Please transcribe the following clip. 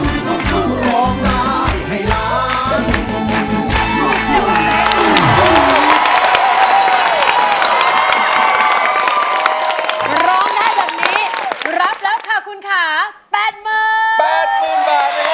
ร้องได้จากนี้รับแล้วค่ะคุณค่า๘๐๐๐๐บาท